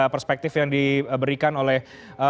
perspektif yang diberikan oleh